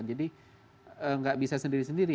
jadi nggak bisa sendiri sendiri